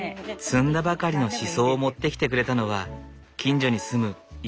摘んだばかりのしそを持ってきてくれたのは近所に住む池田千代さん。